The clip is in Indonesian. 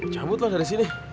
cabutlah dari sini